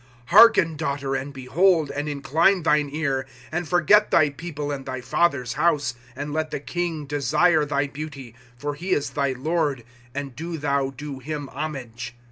^^ Hearken, daughter, and behold, and incline thine ear ; And forget thy people and thy father's house ; 11 And let the king desire thy beauty ; For he is thy lord, and do thou do him homage.